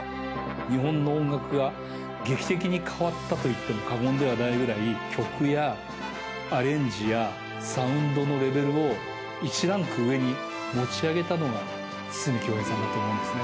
日本の音楽が劇的に変わったといっても過言ではないぐらい、曲やアレンジやサウンドのレベルを、１ランク上に持ち上げたのが、筒美京平さんだと思うんですね。